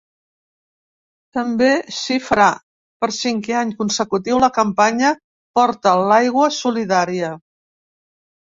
També s’hi farà, per cinquè any consecutiu, la campanya “Porta l’aigua solidària”.